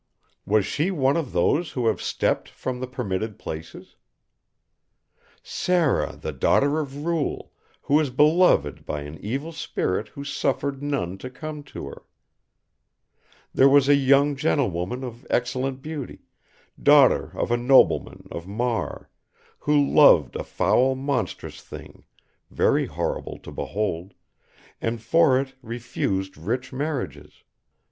Was she one of those who have stepped from the permitted places? "Sara the daughter of Ruel who was beloved by an evil spirit who suffered none to come to her." "_There was a young gentlewoman of excellent beauty, daughter of a nobleman of Mar, who loved a foule monstrous thing verie horrible to behold, and for it refused rich marriages....